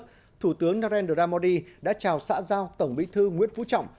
trước đó thủ tướng narendra modi đã chào xã giao tổng bí thư nguyễn phú trọng